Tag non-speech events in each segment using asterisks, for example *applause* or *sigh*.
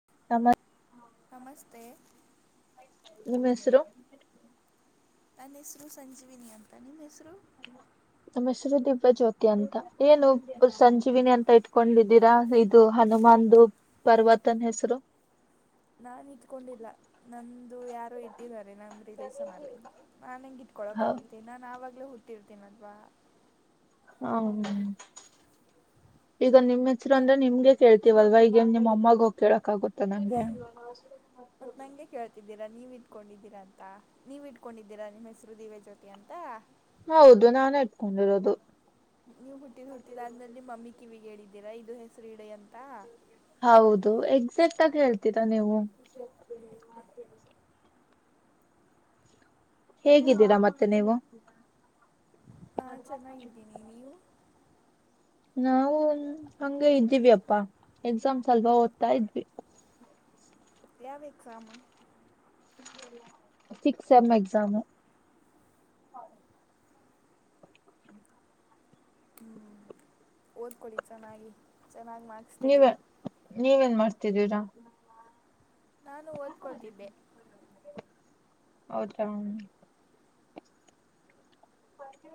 *unintelligible* *inaudible* ನಮಸ್ತೇ ನಿಮ್ ಹೆಸ್ರು ನನ್ ಹೆಸ್ರು ಸಂಜೀವಿನಿಅಂತಾ ನಿಮ್ ಹೆಸ್ರು ನನ್ ಹೆಸ್ರು ದಿವ್ಯಜೋತಿಅಂತ ಏನು ಸಂಜೀವಿನಿಅಂತ ಇಡ್ಕೊಂಡಿದೀರಾ ಇದು ಹನುಮಾನ್ ದು ಪರ್ವತನ್ ಹೆಸ್ರು ನಾನ್ ಇಡ್ಕೊಂಡಿಲ್ಲ ನಂದು ಯಾರೋ ಇಟ್ಟಿದ್ದರೆ ನಮ್ ರಿಲೇಶನ್ ಅಲ್ಲಿ ನಾನ್ ಹೆಂಗ್ ಎಡ್ಕೋಲೋಕ್ ಹಾ ಆಗುತ್ತೆ ನಾನ್ ಆವಾಗ್ಲೇ ಹುಟ್ ಟಿರ್ತಿನಲ್ವ ಹ ಹುಂ ಈಗ ನಿಮ್ ಹೆಸ್ರು ಅಂದ್ರೆ ನಿಮ್ಗೆ ಕೇಳ್ತೀವಲ್ವಾ ಈಗೇನ್ ನಿಮ್ ಅಮ್ಮಗ್ ಹೋಗ್ ಕೇಳೋಕಾಗುತ್ ತ್ತನಂಗೇ ದಿರ ನೀವಿಡ್ಕೊಂಡಿದಿರ ಅಂತಾ ನೀವಿಡ್ಕೊಂಡಿದಿರ ನಿಮ್ ಹೆಸ್ರು ದಿವ್ಯಜ್ಯೋತಿ ಅಂತಾ ಹೌದು ನಾನೇಇಡ್ಕೊಂಡಿರೋದು ನೀವ್ ಹುಟ್ಟಿದ್ ಹುಟ್ಟಿದಾದ್ಮೇಲೆ ನಿಮ್ ಮಮ್ಮಿ ಕಿವಿಗ್ ಹೇಳಿದಿರ ಇದು ಹೆಸ್ರಿಡಿ ಅಂತಾ ಹೌದು ಎಕ್ಸ್ಯಾಕ್ಟ್ಆಗ್ ಹೇಳ್ತೀರಾ ನೀವು ಹೇಗಿದಿರ ಮತ್ತೇ ನೀವು *inaudible* ನಾನು ಚೆನ್ನಾಗಿದ್ದೀನಿ ನೀವು ನಾವೂ ಹಂಗೆ ಇದಿವಿಯಪ್ಪ ಎಕ್ಸಾಮ್ ಸ್ವಲ್ಪ ಓದ್ತಾಯಿದ್ವಿ ಯಾವ್ ಎಕ್ಸಾಮ ಸಿಕ್ಸ್ ಸೆಂ ಎಕ್ಸಾಮು ಹ್ಮ್ಮ್ ಓಡ್ಕೊಳಿ ಚೆನಾಗಿ ನೀವ್-ಏ ನೀವೇನ್ ಮಾಡ್ತಿ ತಿದಿರಾ ನಾನು ಓದ್ಕೋತಿದ್ಧೇ ಹೌದಾ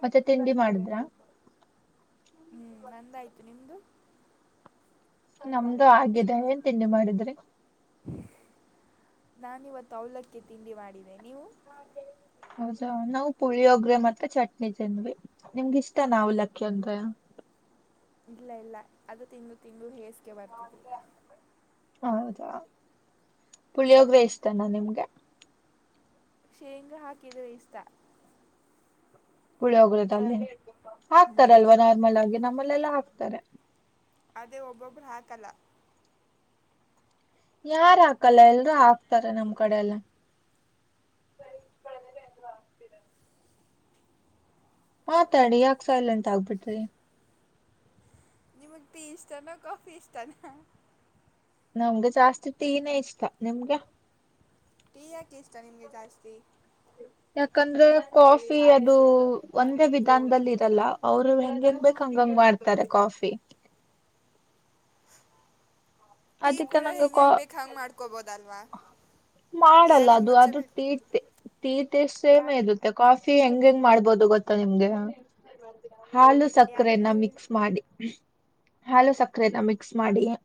ಮತ್ತೆ ತಿಂಡಿ ಮಾಡಿದ್ರಾ ನಂದು ಆಯಿತು ನಿಂದು ನಮ್ದು ಆಗಿದೆ ಎನ್ ತಿಂಡಿ ಮಾಡಿದ್ರಿ ನಾನು ಇವತ್ತು ಅವಲಕ್ಕಿ ತಿಂಡಿ ಮಾಡಿದೆ ನೀವು ಹೌದಾ ನಾವು ಪುಳಿಯೋಗರೆ ಮತ್ತೆ ಚಟ್ನಿ ತಿಂದವಿ ನಿಮಗ ಇಷ್ಟ ನಾ ಅವಲಕ್ಕಿ ಅಂದ್ರೆ ಇಲ್ಲ ಇಲ್ಲ ಅದು ತಿಂದು ತಿಂದು ಹೇ *inaudible* ಪುಳಿಯೋಗರೆ ಇಷ್ಟ ನಾ ನಿಮಗೆ ಶೇಂಗಾ ಹಾಕಿದ್ರೆ ಇಷ್ಟ ಪುಳಿಯೋಗರೆದಲ್ಲಿ ಹಕ್ತರಲ್ವ ನಾರ್ಮಲ್ ಆಗಿ ನಮ್ಮ ಲೆಲ್ಲ ಹಾಕ್ತಾರೆ ಅದೇ ಒಬ್ಬೊಬರ್ ಹಾಕಲ್ಲ ಯಾರ ಹಾಕಲ್ಲ ಎಲ್ರೂ ಹಾಕ್ತಾರೆ ನಮ್ ಕಡೆ ಎಲ್ಲ ಮಾತಾಡಿ ಯಾಕ್ ಸೈಲೆಂಟ್ ಆಗ್ಬಿಟ್ರಿ ನಿಮಗ ಟೀ ಇಷ್ಟ ನಾ ಕಾಫಿ ಇಷ್ಟ ನಾ ನಮಗೆ ಜಾಸ್ತಿ ಟೀ ನೇ ಇಷ್ಟ ನಿಮ್ಗೆ ಟೀ ಯಾಕ್ ಇಷ್ಟ ನಿಮ್ಗೆ ಜಾಸ್ತಿ ಯಾಕಂದ್ರೆ ಕಾಫಿ ಅದು ಒಂದೇ ವಿಧಾನದಲ್ಲಿ ಇರಲ್ಲ ಅವರು ಹೆಂಗೆಂಗ್ ಬೇಕ್ ಹ್ಯಾಂಗಂಗ್ ಮಾಡ್ತಾರೆ ಕಾಫಿ ಟೀ ಅದಕ್ಕೆ ಕೂಡ ನಂಗ ಹೆಂಗೆ ಕೊ ಹೆಂಗೆ ಬೇಕು ಹಂಗೆ ಮಾಡ್ಕೋಬೋದಲ್ವಾ ಮಾಡಲ್ಲ ಯಾರಿಗೆ ಅದು ರುಚಿ ಅದು ಬೇಕು ಟಿ ಟೀ ಟೆಸ್ಟ್ ಸೇಮ್ ಎ ಯಾರಿಗೆ ಇರುತ್ತೆ ಕಾಫಿ ಹೆಂಗೆಂಗ್ ಮಾಡ್ಬೋದು ಗೊತ್ತಾ ನಿಮ್ಗೆ ಹಾಲು ಸಕ್ಕರೆ ನಾ ಯಾರಿಗೆ ಮಿಕ್ಸ್ ಮಾಡಿ ಹಾಲು ಸಕ್ಕರೆ ನಾ ಮಿಕ್ಸ್ ಮಾಡಿ ಆಹ್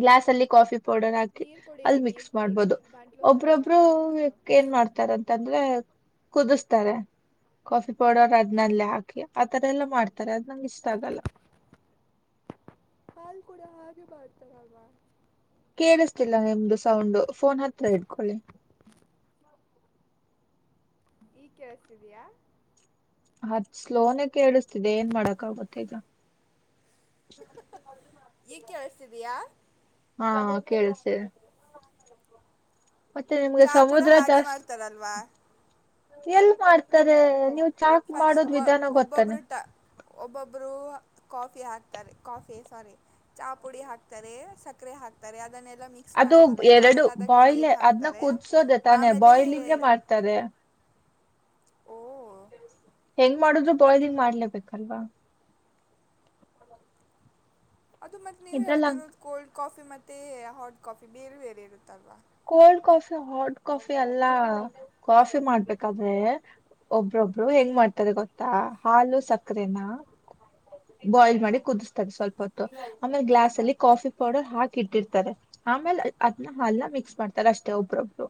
ಗ್ಲಾಸ್ ಅಲ್ಲಿ ಕಾಫಿ ಪೊಡರ್ ಹಾಕಿ ನೀರು ಆಲ್ ಕುಡೀರಿ ನೀರು ಮಿಕ್ಸ್ ಕುಡೀರಿ ಮಾಡ್ಬೋದು ಗಂಟ್ಲು ಸರಿ ಒಬ್ರೊಬ್ರು ಮಾಡ್ಕೊಳ್ಳಿ ಮೊದಲು ಎನ್ ಮಾಡ್ತಾರ ಅಂತಂದ್ರೆ ಪೋ ಕುದುಸ್ತರೆ ಕಾಫಿ ಪೌಡರ್ ಅದನೆಲ್ಲಾ ಹಾಕಿ ಅದನೆಲ್ಲಾ ಮಾಡ್ತಾರೆ ಅದು ನಂಗ್ ಇಷ್ಟ ಆಗಲ್ಲ ಹಾಲ್ ಕೂಡ ಹಾಗೆ ಮಾಡ್ತರಲ್ವ ಕೆಳಸ್ತಿಲ್ಲ ನಿಮ್ದು ಸೌಂಡು ಪೋನ್ ಹತ್ರ ಇಟ್ಕೊಲಿ ಈಗ್ ಕೆಳಸ್ತಿದಿಯಾ ಹಚ್ ಸ್ಲೋನ್ ಕೆಳಸ್ತಿದೆ ಏನ್ಮಾಡಿಕ್ಕಾಗುತ್ತೆ ಈಗ ತಿದಿಯ ಹಾ ಕೆಳಸ್ತಿದೆ ಚಾ ಕೂಡಾ ಸಮುದ್ರ ಹಾಗೆ ಮಾಡ್ತರಲ್ವಾ ಏಳ್ಮಾಡ್ತಾರೆ ನೀವ್ ಫೈಸ್ ವ ಒಬ್ಬೊಬ್ಬರು ಟ ಒಬ್ಬೊಬ್ಬರು ಹ ಕಾಫಿ ಹಾಕ್ತಾರೆ ಕಾಫಿ ಸೋರಿ ಚಾ ಪುಡಿ ಹಾಕ್ತಾರೆ ಸಕ್ಕರೆ ಹಾಕ್ತಾರೆ ಅದನ್ನೇ ಅದು ಎರಡು ಬಾಯ್ಲೆ ಅದನ್ನ ಹಾಕ್ತಾರೆ ಕುದಸೋದೆ ತಾನೆ ಆಮೇಲೆ ಬಾಯ್ಲಿಂಗಗೆ ಮಾಡ್ತಾರೆ ಓ ಹೆಂಗ್ ಮಾಡುದ್ರು ಬಾಯಲಿಂಗ್ ಮಾಡ್ಲೇಬೇಕಲ್ವಾ ಅದು ಮತ್ ನೀವು ಇದ್ರಲ್ಲ ಹೇಳ್ತಿರೋದು ಕೋಲ್ಡ್ ಕಾಫಿ ಮತ್ತೆ ಹಾಟ್ ಕಾಫಿ ಬೇರೆ ಬೇರೆ ಇರುತ್ತಲ್ವಾ ಕೋಲ್ಡ್ ಕಾಫಿ ಹಾಟ್ ಕಾಫಿ ಎಲ್ಲಾ ಕಾಫಿ ಮಾಡ್ಬೇಕಾದ್ರೆ ಒಬ್ರೊಬ್ರು ಹೆಂಗ್ ಮಾಡ್ತಾರೆ ಗೊತ್ತಾ ಹಾಲು ಸಕ್ಕರೆನ ಬಾಯ್ಲ್ ಮಾಡಿ ಕುದಿಸತಾರೆ ಸ್ವಲ್ಪ ಹೊತ್ತು ಆಮೇಲೆ ಗ್ಲಾಸ್ ಅಲ್ಲಿ ಕಾಫಿ ಪೌಡರ್ ಹಾಕಿ ಇಟ್ಟಿರ್ತಾರೆ ಆಮೇಲೆ ಅದನ್ನ ಹಾಲನ ಮಿಕ್ಸ್ ಮಾಡ್ತಾರೆ ಅಷ್ಟೇ ಒಬ್ರೊಬ್ರು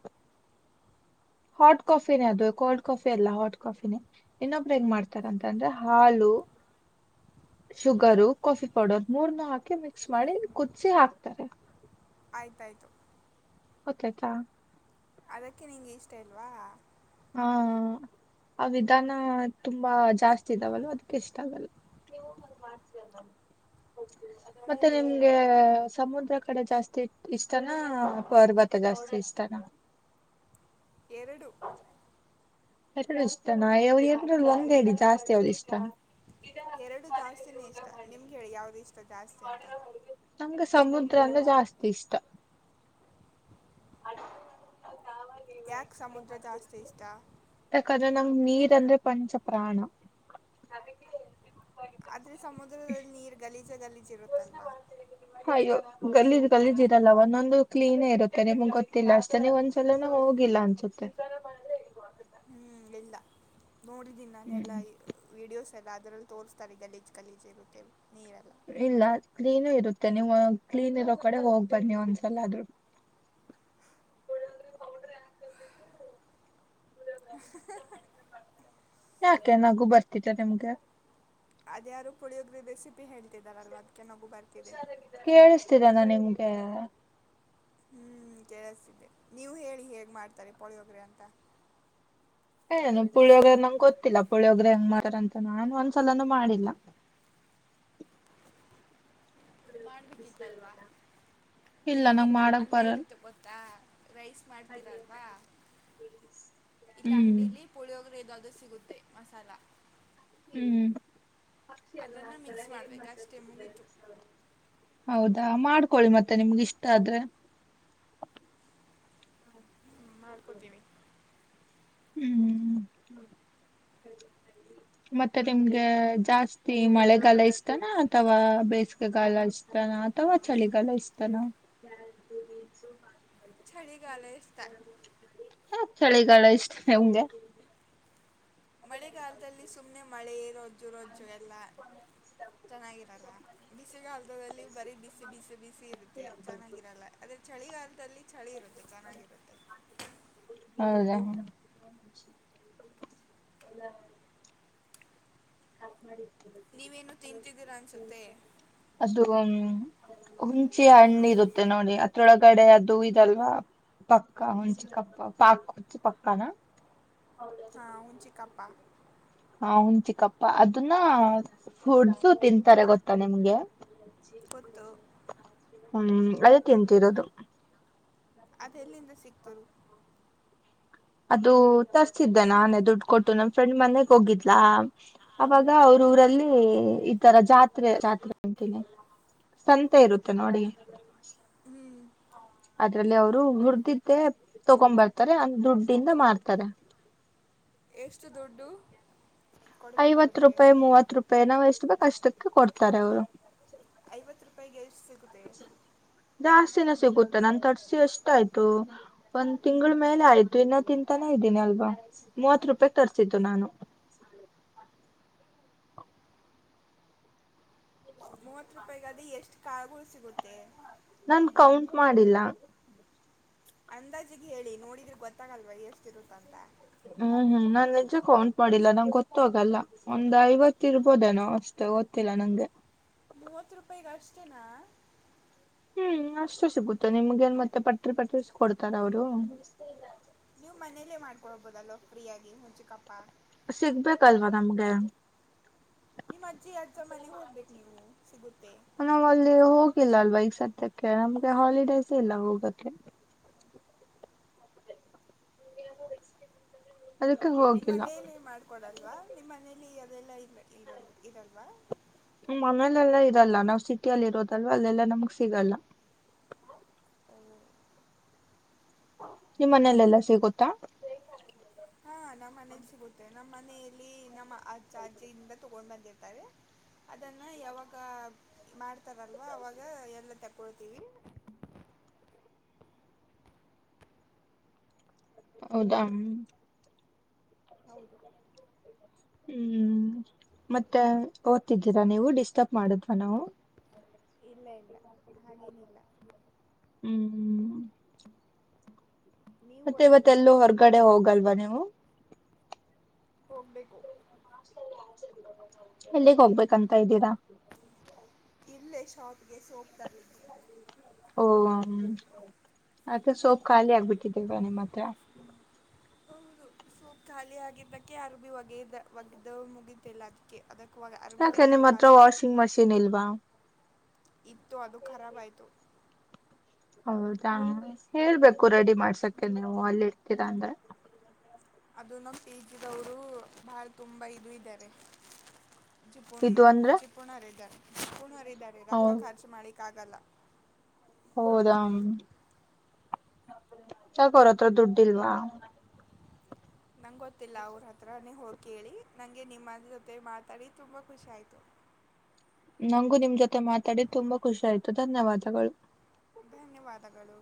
ಹಾಟ್ ಕಾಫಿನೇ ಅದು ಕೋಲ್ಡ್ ಕಾಫಿ ಅಲ್ಲ ಹಾಟ್ ಕಾಫಿನೇ ಇನ್ನೊಬರು ಹೆಂಗ ಮಾಡ್ತಾರ ಅಂತಂದ್ರೆ ಹಾಲು ಶುಗರು ಕಾಫಿ ಪೌಡರ್ ಮೂರನು ಹಾಕಿ ಮಿಕ್ಸ್ ಮಾಡಿ ಕುದಿ ಹಾಕ್ತಾರೆ ಆಯ್ತಾಯ್ತು ಗೊತ್ತಾಯ್ತಾ ಅದಕ್ಕೆ ನಿಂಗೆ ಇಷ್ಟ ಇಲ್ವಾ ಹಾ ಆ ವಿಧಾನ ತುಂಬಾ ಜಾಸ್ತಿ ಇದಾವಲ್ವಾ ಅದಕ್ಕೆ ಇಷ್ಟ ಆಗಲ್ಲ ಮತ್ತೆ ನಿಮ್ಗೆ ಸಮುದ್ರ ಕಡೆ ಜಾಸ್ತಿ ಇಷ್ಟಾನ ಪರ್ವತ ಜಾಸ್ತಿ ಇಷ್ಟಾನ ಎರಡು ಎರಡು ಇಷ್ಟ ನಾ *unintelligible* ಏನ್ ಒಂದ ಹೇಳಿ ಜಾಸ್ತಿ ಇಷ್ಟನಾ ಎರಡು ಜಾಸ್ತಿನೇ ಇಷ್ಟ ನಿಮ್ಗೆ ಹೇಳಿ ಯಾವ್ದು ಇಷ್ಟ ಜಾಸ್ತಿ ಅಂತ ನಮ್ಗೆ *unintelligible* ಜಾಸ್ತಿ ಇಷ್ಟ ಯಾಕೆ ಸಮುದ್ರ ಜಾಸ್ತಿ ಇಷ್ಟ ನಂಗ್ ನೀರ್ ಅಂದ್ರೆ ಪಂಚ ಪ್ರಾಣ ಆದ್ರೆ ಸಮುದ್ರದಲ್ಲಿ ನೀರ್ ಗಲಿ ಜಗಲಿ ಹಯ್ಯೋ ಗಲೀಜ್ ಗಲಿಜಿರಲ್ಲ ಒಂದೊಂದು ಕ್ಲೀನೇ ಇರುತ್ತೆ ನಿಮ್ಗ್ ಗೊತ್ತಿಲ್ಲ ಅಷ್ಟೇ ಒಂದ್ಸಲನ ಹೋಗಿಲ್ಲ ಅನ್ಸುತ್ತೆ. ನೋಡಿದೀನಿ ನಾನೆಲ್ಲಾ ಹ್ಮ್ ವೀಡಿಯೋಸ್ ಲ್ಲ ಅದ್ರಲ್ಲಿ ತೋರಿಸ್ತಾರೆ ಗಲೀಜ್ ಗಲೀಜ ಇರುತ್ತೆ ನೀರ ಇಲ್ಲ ಕ್ಲೀನು ಇರುತ್ತೆ ನೀವು ಕ್ಲೀನ್ ಇರೋ ಕಡೆ ಹೋಗ್ ಬನ್ನಿ ಒಂದ್ಸಲ ಆದ್ರೂ ಹು-ಹು-ಹು-ಹು ಯಾಕೆ ನಗು ಬರ್ತೀರ ನಿಮ್ಗೆ ಅದ ಯಾರು ಪುಳಿಯೋಗರೆ ಬೇಸಿ ಹೇಳ್ತಿದಾರಲ್ವಾ ಅದಿಕೆ ನಗು ಬರ್ತಿದೆ ತೀರನ ನಿಮ್ಗೆ ಹ್ಮ್ ಕೆೇಳಸತಿದ್ದೆ ನೀವ ಹೇಳಿ ಹೇಗ್ ಮಾಡ್ತಾರೆ ಪೊಳಿಯೋಗ್ರೆ ಅಂತ ಏನು ಪುಳಿಯೋಗ್ರ ನಂಗ ಗೊತ್ತಿಲ್ಲ ಪುಳಿಯೋಗ್ರ ಹೆಂಗ ಮಾಡಾರ ಅಂತ ನಾನು ಒಂದ್ಸಲನು ಮಾಡಿಲ್ಲ ಮಾಡ್ಬೇಕಿತ್ತಲ್ವಾ ಇಲ್ಲ ನಂಗ್ ಏನಿಲ್ಲ ಮಾಡಕ್ ಅನ್ನ ಬರಲ್ ಇರುತ್ತೆ ಗೊತ್ತಾ ರೈಸ್ ಮಾಡ್ತೀರಲ್ವಾ ಇಲ್ಲ ಹ್ಮ್ ಅಂಗಡಿಲಿ ಪುಳಿಯೋಗ್ರ ಅದ್. ಸಿಗುತ್ತೆ ಮಸಾಲ ಹ್ಮ್ ಪಕ್ಷಿ ಎಲ್ಲ ಅದನ್ನು ಹಾಗ್ತಲ್ಲ ಮಿಕ್ಸ್ ಹೆೇನ್ ಮಾಡಬೇಕು ಅಷ್ಟೇ ಮಾತಾಡುತ್ ಮುಗೀತು ಹೌದಾ ಮಾಡ್ಕೊಳ್ಳಿ ಮತ್ತೆ ನಿಮ್ಗೆ ಇಷ್ಟ ಆದ್ರೆ ಹ ಮಾಡ್ಕೊತೀವಿ ಹ್ಮ್ ಮತ್ತೆ ನಿಮ್ಗೆ ಜಾಸ್ತಿ ಮಳೆಗಾಲ ಇಷ್ಟನಾ ಅಥವಾ ಬೇಸಿಗೆಗಾಲ ಇಷ್ಟನಾ ಅಥವಾ ಚಳಿಗಾಲ ಇಷ್ಟನಾ ಚಳಿಗ್ ಗಲ ಇಷ್ಟ ಯಾಕ್ ಚಳಿಗಾಲ ಇಷ್ಟ ನಿಮ್ಗೆ ಮಳೆಗಾಲದಲ್ಲಿ ಸುಮ್ನೆ ಮಳೆ ರಜ್ಜು ರಜ್ಜು ಎಲ್ಲ ಚೆನ್ನಾಗಿರಲ್ಲ ಬಿಸಿಗಾಲದಲ್ಲಿ ಬರೀ ಬಿಸಿ ಬಿಸಿ ಬಿಸಿ ಇರುತ್ತೆ ಚೆನ್ನಾಗಿರಲ್ಲ ಅದೇ ಚಳಿಗಾಲದಲ್ಲಿ ಚಳಿ ಇರುತ್ತೆ ಚೆನ್ನಾಗಿರುತ್ತೆ ಹೌದಾ ಹಾಫ ಮಾಡಿ ನೀವೇನು ತಿಂತಿದ್ದೀರ ಅನಿಸುತ್ತೆ ಅದು ಮ್ಮ ಹುಂಚಿ ಹಣ್ಣಿ ಇರುತ್ತೆ ನೋಡಿ ಅದ್ರೊಳಗಡೆ ಅದು ಇದಲ್ವಾ ಪಕ್ಕ ಹುಂಚಿ ಕಪ್ಪ ಪಾಕ್ ಹುಚಿ ಪಕ್ಕಾನ ಹಾ ಹನ್ ಚಿಕಪ್ಪಾ ಹಾ ಹುನ್ ಚಿಕಪ್ಪ, ಅದನ್ನ ಫುಡ್ಸು ತಿಂತಾರೆ ಗೊತ್ತಾ ನಿಮ್ಗೆ. ಗೊತ್ತು ಹ ಹ್ಮ್ ಅದು ತಿಂತಿರೋದು. ಅದ ಎಲ್ಲಿಂದ ಸಿಕ್ತು? ಅದು ತರ್ತಿದ್ದೆ ನಾನು ದುಡ್ಡು ಕೊಟ್ಟು, ನಮ್ ಫ್ರೆಂಡ್ ಮನೆಗ್ ಹೋಗಿದ್ಲ. ಅವಾಗ ಹ್ಞೂ ಅವ್ರ ಊರಲ್ಲಿ ಈತರ ಜಾತ್ರೆ ಜಾತ್ರೆ ಅಂತೀನಿ, ಸಂತೆ ಇರುತ್ತೆ ನೋಡಿ. ಹ್ಞೂ ಅದ್ರಲ್ಲಿ ಅವರು ಹುರದಿದ್ದೆ ತಗೊಂಡ್ ಬರ್ತಾರೆ ದುಡ್ಡಿಂದ ಮಾರ್ತಾರೆ. ಎಷ್ಟು ದುಡ್ಡು? ಕೊಡಬೇಕು ಐವತ್ ಅವರಿಗೆ ರೂಪಾಯಿ ಮೂವತ್ ರೂಪಾಯಿ ನಾವ್ ಎಷ್ಟು ಬೇಕ್ ಅಷ್ಟಕ್ಕೆ ಕೊಡ್ತಾರೆ ಅವರು. ಐವತ್ತು ರೂಪಾಯಿಗೆ ಎಷ್ ಜಾಸ್ತಿನ ಸಿಗುತ್ತೆ, ನಾನು ತರ್ಸಿ ಎಷ್ಟ್ ಆಯ್ತು, ಒಂದ್ ತಿಂಗಳ ಮೇಲೆ ಆಯ್ತು ಇನ್ನು ತಿಂತಾನೇ ಇದ್ದೀನಿ ಅಲ್ವಾ ಮೂವತ್ ರೂಪಾಯಿಗೆ ತರಸಿದ್ದು ನಾನು. ಮೂವತ್ ರೂಪಾಯಿಗ ಅದ ಎಷ್ಟು ಕಾಳಗಳು ಸಿಗುತ್ತೆ. ನಾನ್ ಕೌಂಟ್ ಮಾಡಿಲ್ಲ. ಅಂದಾಜಿಗೆ ಹೇಳಿ ನೋಡಿದ್ರೆ ಗೊತ್ತಾಗಲ್ವಾ ಎಷ್ಟ ಇರುತ್ತ ಅಂತ. ಹ್ಮ್ ಹ್ಮ್ ನಾನ್ ನಿಜ ಕೌಂಟ್ ಮಾಡಿಲ್ಲ, ನಂಗೆ ಗೊತ್ತಾಗಲ್ಲ, ಒಂದ್ ಐವತ್ತು ಇರ್ಬೋದೇನೋ ಅಷ್ಟೇ ಗೊತ್ತಿಲ್ಲ ನಂಗೆ. ಮೂವತ್ತು ರೂಪಾಯಿಗ ಅಷ್ಟೇನಾ? ಹ್ಮ್ ಅಷ್ಟೇ ಸಿಗುತ್ತೆ ನಿಮ್ಗೆನ್ ಮತ್ತೆ ಪಟ್ರಿ ಪಟ್ರಿ ಕೊಡ್ತಾರ ಅವರು. ನೀವು ಮನೇಲ್ಲೇ ಮಾಡ್ತೀ ಕೊಡ್ಬೋದಲ್ಲ ಫ್ರೀಯಾಗಿ ಹುಂಚಿಕಪ್ಪ ಸಿಗಬೇಕಲ್ವ ನಮಗೆ ನಿಮ್ಮ ಅಜ್ಜಿ ಅಜ್ಜ ಮನೆಗೆ ಹೋಗ್ಬೇಕು ನೀವು ಸಿಗುತ್ತೆ ನಾವ ಅಲ್ಲಿ ಹೋಗಿಲ್ಲ ಅಲ್ವಾ ಸದ್ಯಕ್ಕೆ ನಮ್ಗೆ ಹಾಲಿಡೇಸ್ ಇಲ್ಲ ಹೋಗಕ್ಕೆ ಅದಕ್ಕೆ ನಿಮ್ಮ ಹೋಗಿಲ್ಲ ಮನೇಲಿ ಮಾಡ್ಕೊಡಲ್ವಾ ನಿಮ್ಮ ಮನೇಲಿ ಅದೆಲ್ಲ ಇಲ್ಲ ಇರ ಇರಲ್ವಾ ಮನೇಲೆಲ್ಲಾ ಇದ ಎಲ್ಲ ನಾವ್ ಸಿಟಿ ಅಲ್ಲಿ ಇರೋದಲ್ವ. ಎಲ್ಲ ನಮ್ಗ್ ಸಿಗಲ್ಲ ನಿಮ್ಮ ಮನೇಲೆ ಎಲ್ಲಾ ಸಿಗುತ್ತಾ ಹಾಂ ನಮ್ಮ ಮನೇಲಿ ಸಿಗುತ್ತೆ ನಮ್ಮ ಮನೆಯಲ್ಲಿ ನಮ್ಮ ಆ ಚಾರ್ಜಿಯಿಂದ ತಗೊಂಡು ಬಂದಿರ್ತಾರೆ ಅದನ್ನು ಯಾವಾಗ ಮಾಡ್ತಾರಲ್ವಾ ಅವವಾಗ ಎಲ್ಲ ತಗೊಳ್ತೀವಿ ಹೌದಾ ಹೌದು ಹ್ಮ್ ಮತ್ತೆ ಓದ್ತಿದ್ದೀರಾ ನೀವು ಡಿಸ್ಟರ್ಬ್ ಮಾಡುದ್ವಾ ನಾವು ಇಲ್ಲ ಇಲ್ಲ ಹಾಗೇನಿಲ್ಲ ಹ್ಮ್ ನೀವು ಮತ್ತೆ ಇವತ್ತೆಲ್ಲೂ ಓದ್ತಿದ್ದೀರಲ್ವ ಹೊರಗಡೆ ಹೋಗಲ್ವಾ ನೀವು ಹೋಗ್ಬೇಕು ಎಲ್ಲಿಗೆ ಹೋಗ್ಬೇಕಂತ ಇದ್ದೀರಾ ಇಲ್ಲೇ ಶಾಪ್ಗೆ ಸೋಪ್ ತರ್ಲಿಕ್ಕೆ ಓ ಮತ್ತೆ ಸೊಪ್ ಖಾಲಿ ಆಗ್ಬಿಟ್ಟಿದ್ದೇವ ನಿಮ್ಮ ಹತ್ರ ಹೌದು ಸೊಪ್ ಖಾಲಿ ಆಗಿದ್ದಕ್ಕೆ ಯಾರು ಭೀ ಒಗೆಯದ ಒಗ್ದ ಮುಗಿತಲ್ಲ ಅದಕ್ಕೆ ಅದಕ್ಕೆ ಒಗ ಅರ್ಬಿ ಯಾಕ್ೆ ನಿಮ್ಮ ಹತ್ರ ಒಗಿಬೇಕಲ್ವಾ ವಾಷಿಂಗ್ ಮಷೀನ್ ಇಲ್ವಾ ಇತ್ತು ಅದು ಖರಾಬ್ ಆಯ್ತು ಹೌದಾ ಹೇಳ್ಬೇಕು ರೆಡಿ ಮಾಡ್ಸಕ್ಕೆ ನೀವು ಅಲ್ಲಿ ಇರ್ತೀರಾ ಅಂದ್ರೆ ಅದು ನ ಪಿಜಿದವರು ಬಹಳ ತುಂಬಾ ಇದು ಇದ್ದಾರೆ ಜಿಪಣ ಇದು ಅಂದ್ರೆ ಜಿಪಣ ಆರ ಇದದಾರೆ ಇದಾರೆ ರಕ್ಕ ಖರ್ಚು ಮಾಡಿ ಕ್ಕಾಗಲ್ಲ ಹೌದಾ ಯಾಕ್ ಅವರತ್ರ ದುಡ್ಡಿಲ್ವಾ ನಂಗೆ ಗೊತ್ತಿಲ್ಲ ಅವ್ರ ಹತ್ರಾನೇ ಹೋಗಿ ಕೇಳಿ ನಂಗೆ ನಿಮ್ಮ ಜೊತೆ ಮಾತಾಡಿ ತುಂಬಾ ಖುಷ ಆಯ್ತು ನಂಗು ನಿಮ್ ಜೊತೆ ಮಾತಾಡಿ ತುಂಬಾ ಖುಷಿ ಆಾಯ್ತು ಧನ್ಯವಾದಗಳು ಧನ್ಯವಾದಗಳು